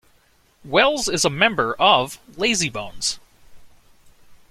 Wells is a member of Lazybones.